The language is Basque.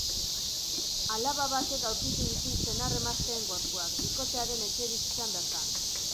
Alaba batek aurkitu ditu senar-emazteen gorpuak, bikotearen etxebizitzan bertan.